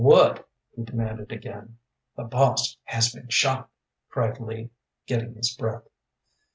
"What?" he demanded again. "The boss has been shot," cried Lee, getting his breath.